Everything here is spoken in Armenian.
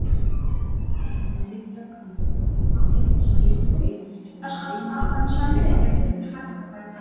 Կոթողների վրա քանդակված են օձի, ցուլի, խոյի, թռչունների, նաև բույսերի պատկերներ։